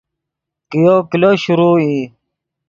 کئیو کلو شروع ای